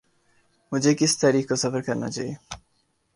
مجھے کس تاریخ کو سفر کرنا چاہیے۔